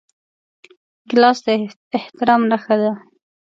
ګیلاس د احترام نښه ده.